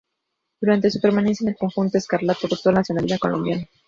Durante su permanencia en el conjunto escarlata, adoptó la nacionalidad colombiana.